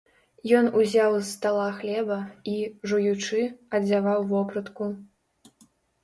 Ён узяў з стала хлеба і, жуючы, адзяваў вопратку.